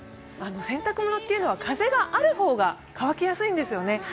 洗濯物というのは風がある方が乾きやすいんですよね。